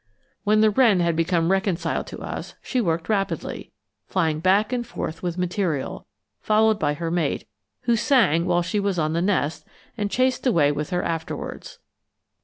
When the wren had become reconciled to us she worked rapidly, flying back and forth with material, followed by her mate, who sang while she was on the nest and chased away with her afterwards.